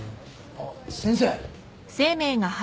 あっ先生。